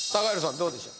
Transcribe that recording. どうでしょう？